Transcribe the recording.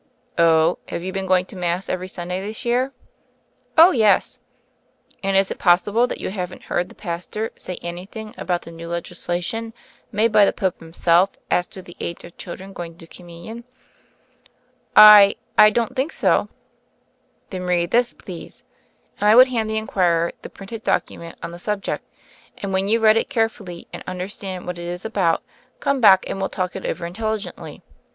"Oh — have you been going to Mass every Sunday this year?" "Oh, yes." "And is it possible that you haven't heard the pastor say anything about the new legisla tion made by the Pope himself as to the age of children going to Communion?" "I— I— don't think so." "Then read this, please" — and I would hand the inquirer the printed document on the sub ject — "and when you've read it carefully and understand what it is about, come back and we'll talk it over intelligently.